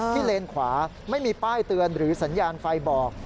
เลนขวาไม่มีป้ายเตือนหรือสัญญาณไฟบอก